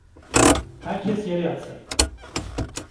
Herkes yere yatsın!